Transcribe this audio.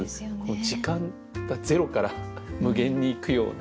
時間がゼロから無限にいくような。